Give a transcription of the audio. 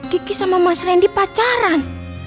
kiki sama mas randy pacaran